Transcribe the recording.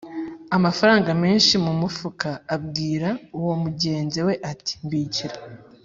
amafaranga menshi mu mufuka, abwira uwo mugenzi we ati: “Mbikira